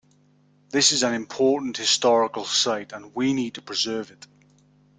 This is an important historical site, and we need to preserve it.